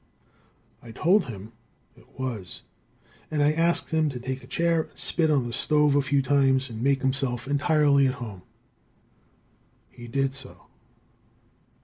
I told him it was and asked him to take a chair and spit on the stove a few times, and make himself entirely at home. He did so.